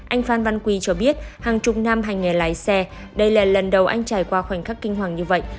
anh phan văn quy cho biết hàng chục năm hành nghề lái xe đây là lần đầu anh trải qua khoảnh khắc kinh hoàng như vậy